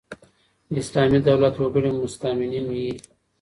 د اسلامي دولت وګړي مستامنین يي.